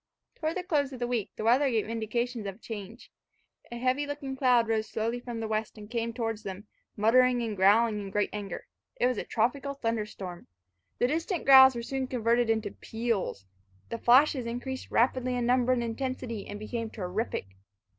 Toward the close of the week, the weather gave indications of a change. A heavy looking cloud rose slowly from the west, and came towards them, muttering and growling in great anger. It was a tropical thunderstorm. The distant growls were soon converted into peals. The flashes increased rapidly in number and intensity, and became terrific.